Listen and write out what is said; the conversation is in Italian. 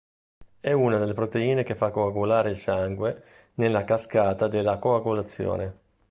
È una delle proteine che fa coagulare il sangue nella cascata della coagulazione.